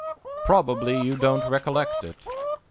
Probably you don't recollect it.